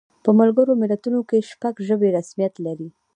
په ملګرو ملتونو کې شپږ ژبې رسمیت لري.